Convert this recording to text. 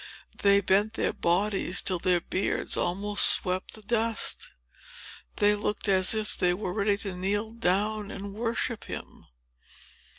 They bent their bodies till their beards almost swept the dust. They looked as if they were ready to kneel down and worship him.